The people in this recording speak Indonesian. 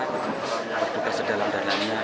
berduka sedalam dan lainnya